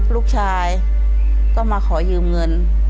ลูกชายก็มาขอยืมเงิน